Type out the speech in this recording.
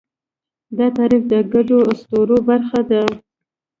دا تعریف د ګډو اسطورو برخه ده.